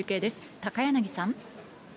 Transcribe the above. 高柳さん。